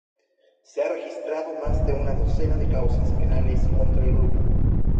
Se ha registrado más de una docena de causas penales contra el grupo.